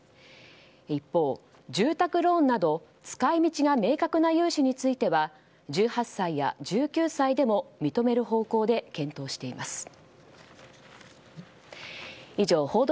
一方、住宅ローンなど使い道が明確な融資については１８歳や１９歳でも認める方向で検討しています。